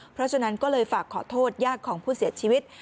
เพราะฉะนั้นก็เลยฝากขอโทษญาติของผู้เสียชีวิต